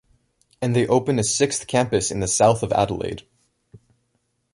And they opened a sixth campus in the South of Adelaide.